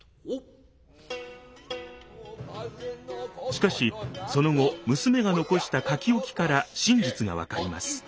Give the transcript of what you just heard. しかしその後娘が残した書置から真実が分かります。